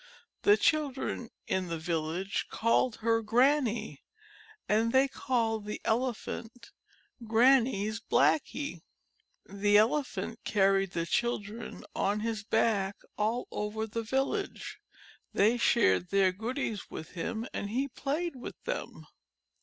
The children in the village called her Granny, and they called the Elephant "Granny's Blackie." The Elephant carried the children on his back all over the village. They shared their goodies with him and he played with them.